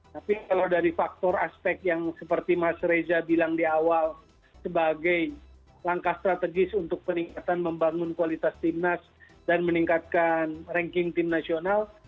tapi kalau dari faktor aspek yang seperti mas reza bilang di awal sebagai langkah strategis untuk peningkatan membangun kualitas timnas dan meningkatkan ranking tim nasional